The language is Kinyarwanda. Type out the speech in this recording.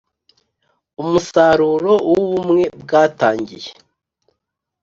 Umusaruro w Ubumwe bwatangiye